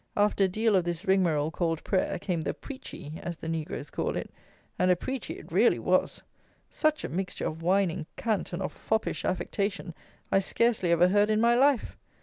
After a deal of this rigmarole called prayer, came the preachy, as the negroes call it; and a preachy it really was. Such a mixture of whining cant and of foppish affectation I scarcely ever heard in my life.